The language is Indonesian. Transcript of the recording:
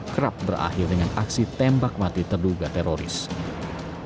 kerap berakhir dengan aksi tembak mati terduga terhadap polisi